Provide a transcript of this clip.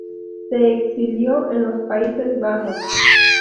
Se exilió en los Países Bajos.